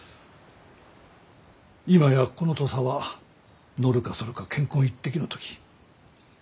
今やこの土佐はのるかそるか乾坤一擲の時。